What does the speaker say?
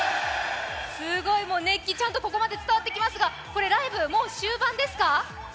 すごい熱気、ちゃんとここまでつたわってきますが、ライブ終盤ですか？